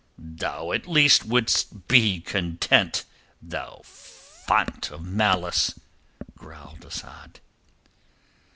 "Thou at least wouldst be content, thou fount of malice," growled Asad.